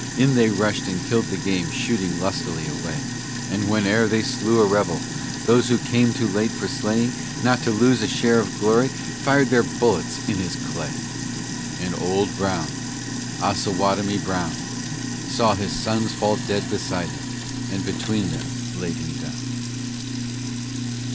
In they rushed and killed the game, shooting lustily away; And whene'er they slew a rebel, those who came too late for slaying, Not to lose a share of glory, fired their bullets in his clay; And Old Brown, Osawatomie Brown, Saw his sons fall dead beside him, and between them laid him down.